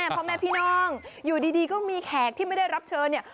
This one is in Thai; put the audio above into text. พ่อแม่พี่น้องอยู่ดีก็มีแขกที่ไม่ได้รับเชิญเนี่ย